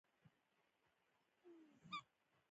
قانون ته غاړه کیږدئ